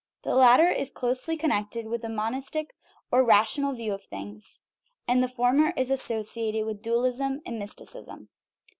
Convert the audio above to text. The latter is closely connected with the monistic, or rational, view of things, and the former is associated with dualism and mysticism.